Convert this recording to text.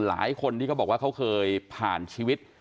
หลายคนที่เขาบอกว่าเขาเคยผ่านชีวิต